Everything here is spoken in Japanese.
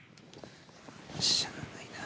しゃあないな。